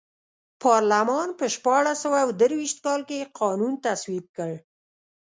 پارلمان په شپاړس سوه درویشت کال کې قانون تصویب کړ.